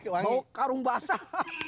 bau karung basah